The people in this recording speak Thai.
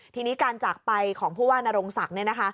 ทีนี้การจากไปของผู้ว่านรงศักดิ์